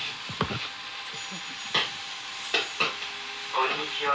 こんにちは。